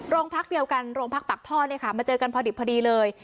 โรงพักเดียวกันโรงพักปากท่อมาเจอกันพอดีเลย